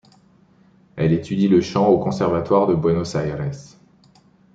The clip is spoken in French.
Elle étudie le chant au conservatoire de Buenos Aires.